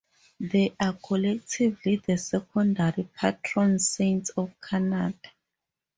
They are collectively the secondary patron saints of Canada.